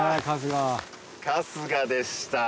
春日でしたー。